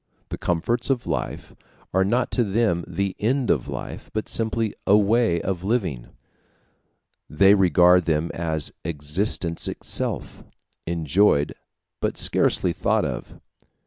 The comforts of life are not to them the end of life, but simply a way of living; they regard them as existence itself enjoyed, but scarcely thought of.